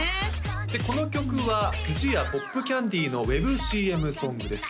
この曲は不二家ポップキャンディのＷＥＢＣＭソングです